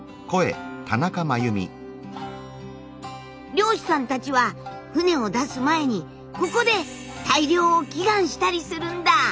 漁師さんたちは船を出す前にここで大漁を祈願したりするんだ。